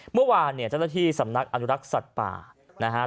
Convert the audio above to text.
เมื่อวานเนี่ยเจ้าหน้าที่สำนักอนุรักษ์สัตว์ป่านะฮะ